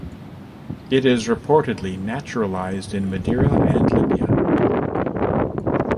It is reportedly naturalized in Madeira and Libya.